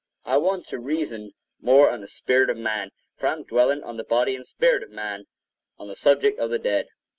I want to reason more on the spirit of man; for I am dwelling on the body and spirit of man—on the subject of the dead.